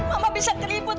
mama bisa keribut